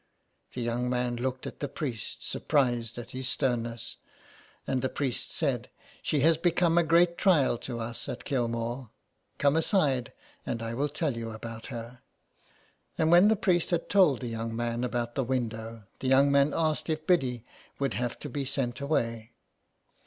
The young man looked at the priest, surprised at his sternness, and the priest said :—*' She has become a great trial to us at Kilmore. Come aside and I will tell you about her.'' And when the priest had told the young man about the window the young man asked if Biddy would have to be sent away.